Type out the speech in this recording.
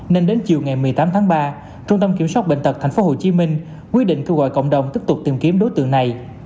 nên đến chiều ngày một mươi tám tháng ba trung tâm kiểm soát bệnh tật tp hcm quyết định kêu gọi cộng đồng tiếp tục tìm kiếm đối tượng này